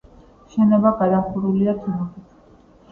შენობა გადახურულია თუნუქით.